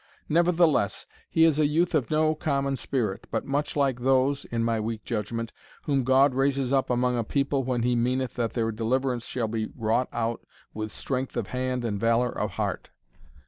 Nevertheless, he is a youth of no common spirit, but much like those (in my weak judgment) whom God raises up among a people when he meaneth that their deliverance shall be wrought out with strength of hand and valour of heart.